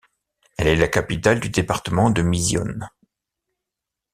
Elle est la capitale du département de Misiones.